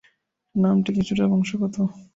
নামটি কিছুটা বংশগত।